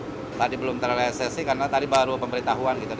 karena kita belum tadi belum terlalu eksesi karena tadi baru pemberitahuan